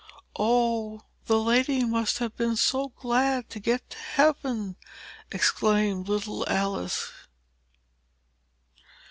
"O, the lady must have been so glad to get to heaven!" exclaimed little Alice.